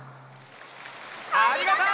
ありがとう！